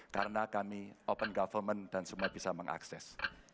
karena kami open government dan semua bisa mengakses